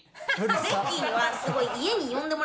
ベッキーにはすごい。